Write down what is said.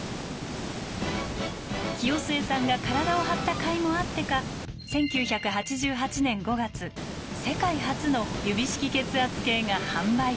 清末さんが体を張ったかいもあってか１９８８年５月世界初の指式血圧計が販売開始。